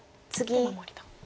で守りと。